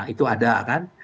itu ada kan